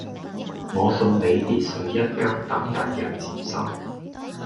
我送你別墅一間等第日接收